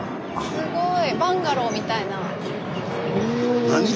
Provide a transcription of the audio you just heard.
すごい。